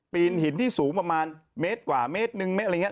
นหินที่สูงประมาณเมตรกว่าเมตรหนึ่งเมตรอะไรอย่างนี้